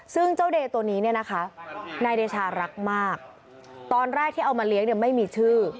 ซึ่งเจ้าเดย์ตัวนี้เนี่ยนะคะนายเดชารักมากตอนแรกที่เอามาเลี้ยงเนี่ยไม่มีชื่อ